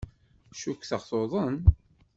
Cukkteɣ tuḍen.